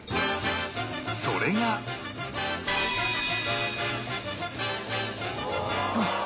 それがあっ！